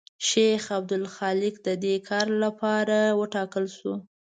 شیخ عبدالحق د دې کار لپاره وټاکل شو.